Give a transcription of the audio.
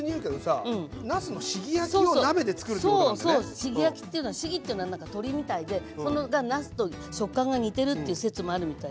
しぎ焼きっていうのはしぎっていうのは何か鳥みたいでそのなすと食感が似てるっていう説もあるみたいよ。